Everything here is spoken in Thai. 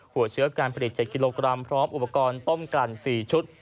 หัวเชื้อการผลิต๗กิโลกรัมพร้อมอุปกรณ์ต้มกลั่น๔ชุด